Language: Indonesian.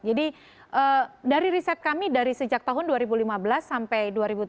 jadi dari riset kami dari sejak tahun dua ribu lima belas sampai dua ribu tujuh belas